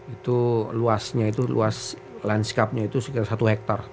itu luasnya itu luas landscape nya itu sekitar satu hektar